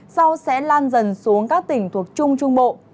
sau sẽ lan dần xuống các tỉnh thuộc trung trung bộ